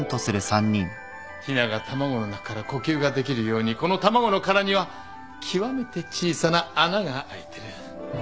ひなが卵の中から呼吸ができるようにこの卵の殻には極めて小さな穴があいてる。